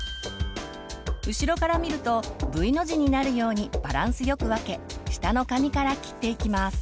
後ろからみるとＶの字になるようにバランスよく分け下の髪から切っていきます。